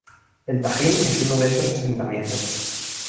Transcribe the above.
El Tajín es uno de esos asentamientos.